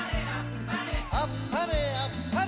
あっぱれあっぱれ！